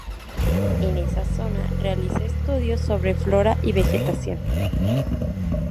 En esa zona, realiza estudios sobre flora y vegetación.